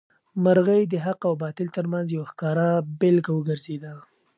مرغۍ د حق او باطل تر منځ یو ښکاره بېلګه وګرځېده.